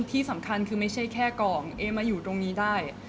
ที่สำคัญคือไม่ใช่แค่กองเอมาอยู่ตรงนี้ได้